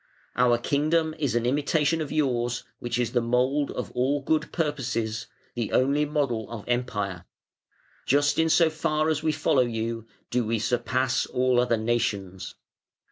Our kingdom is an imitation of yours, which is the mould of all good purposes, the only model of Empire, Just in so far as we follow you do we surpass all other nations.